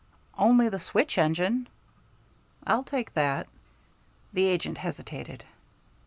"Only the switch engine." "I'll take that." The agent hesitated.